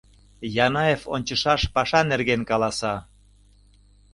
Янаев ончышаш паша нерген каласа.